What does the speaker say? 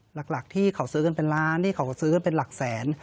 หลักที่เขาซื้อกันเป็นล้านที่เขาก็ซื้อกันเป็นหลักแสน